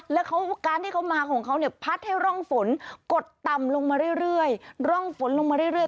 แล้วการที่เขามาของเขาเนี่ยพัดให้ร่องฝนกดต่ำลงมาเรื่อย